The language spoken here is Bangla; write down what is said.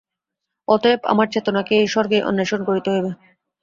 অতএব আমার চেতনাকে এই স্বর্গেই অন্বেষণ করিতে হইবে।